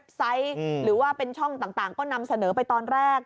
ไซต์หรือว่าเป็นช่องต่างก็นำเสนอไปตอนแรก